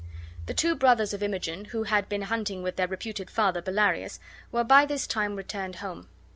The two brothers of Imogen, who had been hunting with their reputed father, Bellarius, were by this time returned home.